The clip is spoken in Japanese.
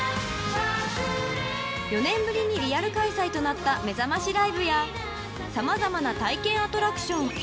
［４年ぶりにリアル開催となっためざましライブや様々な体験アトラクション。